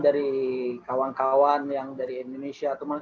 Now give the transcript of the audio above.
dari kawan kawan yang dari indonesia teman teman